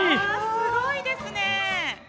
すごいですね！